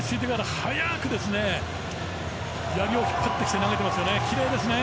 早くやりを引っ張ってきて投げてますね。